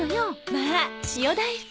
まあ塩大福。